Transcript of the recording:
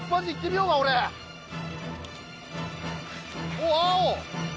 おっ青！